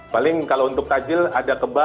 paling kalau untuk takjil ada kebahan